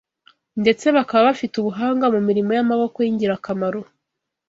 ndetse bakaba bafite ubuhanga mu mirimo y’amaboko y’ingirakamaro